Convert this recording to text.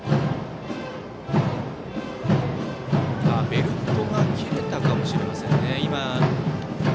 ベルトが切れたかもしれませんね。